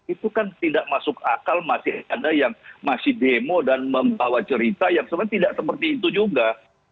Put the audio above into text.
itu kan tidak masuk akal masih ada yang masih demo dan membawa cerita yang sebenarnya tidak seperti itu juga